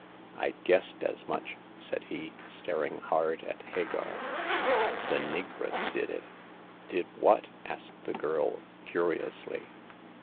" I guessed as much,'* said he, staring hard at Hagar. The negress did it.'* " Did what? " asked the girl, curiously.